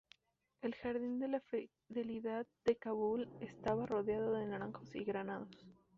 El jardín de la fidelidad, de Kabul estaba rodeado de naranjos y granados.